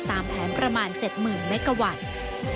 ตามแผนประมาณ๗๐๐เมกะวัตต์